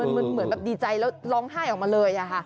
มันเหมือนแบบดีใจแล้วร้องไห้ออกมาเลย